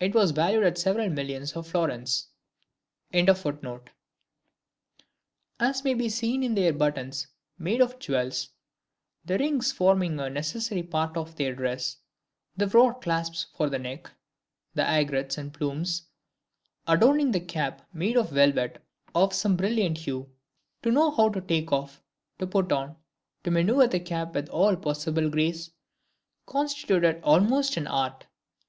It was valued at several millions of florins.] as may be seen in their buttons made of jewels, the rings forming a necessary part of their dress, the wrought clasps for the neck, the aigrettes and plumes adorning the cap made of velvet of some brilliant hue. To know how to take off, to put on, to manoeuvre the cap with all possible grace, constituted almost an art.